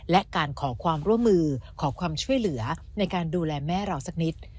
และการขอความร่วมมือขอความช่วยเหลือในการดูแลแม่เราสักนิด